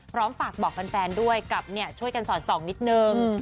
พร้อมฝากบอกแฟนด้วยกับช่วยกันสอดส่องนิดนึง